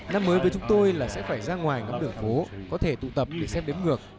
năm mới với chúng tôi là sẽ phải ra ngoài ngắm đường phố có thể tụ tập để xem đếm ngược